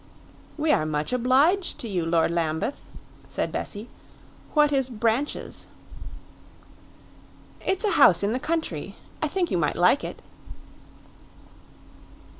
"We are much obliged to you, Lord Lambeth," said Bessie. "What is Branches?" "It's a house in the country. I think you might like it."